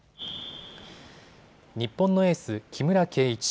日本のエース、木村敬一。